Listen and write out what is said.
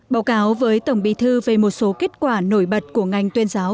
báo cáo với tổng bí thư về một số kết quả nổi bật của ngành tuyên giáo